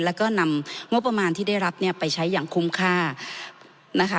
แล้วก็นำงบประมาณที่ได้รับเนี่ยไปใช้อย่างคุ้มค่านะคะ